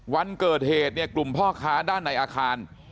วันเกิดเหตุเนี่ยกลุ่มพ่อค้าด้านในอาคาร